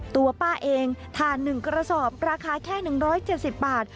ตัวป้าเองถ่าน๑กระสอบราคาแค่๑๗๐บาท